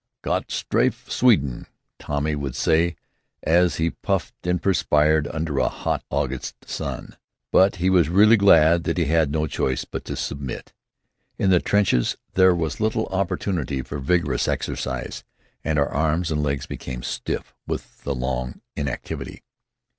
"Gott strafe Sweden!" Tommy would say as he puffed and perspired under a hot August sun, but he was really glad that he had no choice but to submit. In the trenches there was little opportunity for vigorous exercise, and our arms and legs became stiff with the long inactivity.